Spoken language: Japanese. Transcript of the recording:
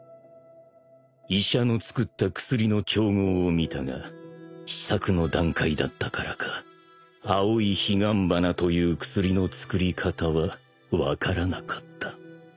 ［医者の作った薬の調合を見たが試作の段階だったからか青い彼岸花という薬の作り方は分からなかった］